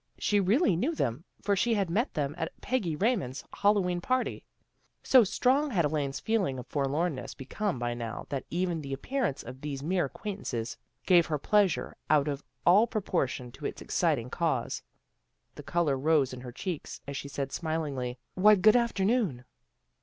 She really knew them, for she had met them at Peggy Raymond's Hallowe'en party. So strong had Elaine's feeling of forlornness become by now that even the ap pearance of these mere acquaintances gave her pleasure out of all proportion to its exciting cause. The color rose in her cheeks, as she said smilingly, " Why, good afternoon."